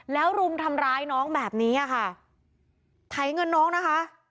แล้วรุมทำร้ายน้องแบบนี้อ่ะค่ะไถเงินน้องนะคะ